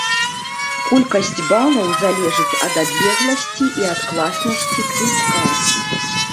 Колькасць балаў залежыць ад адлегласці і ад класнасці квітка.